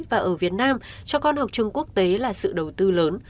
và ở việt nam cho con học trường quốc tế là sự đầu tư lớn